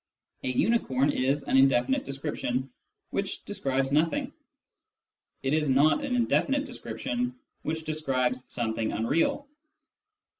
" A unicorn " is an indefinite descrip tion which describes nothing. It is not an indefinite description which describes something unreal.